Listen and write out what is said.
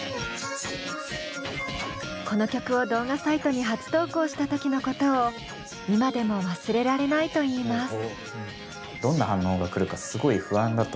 この曲を動画サイトに初投稿した時のことを今でも忘れられないといいます。